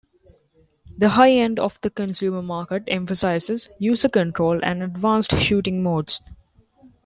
The high end of the consumer market emphasizes user control and advanced shooting modes.